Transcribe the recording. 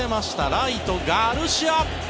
ライト、ガルシア。